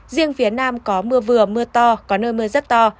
riêng phía nam có mưa vừa mưa to có nơi mưa rất to